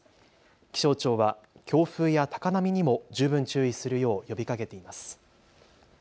気象庁は強風や高波にも十分注意するよう呼びかけています。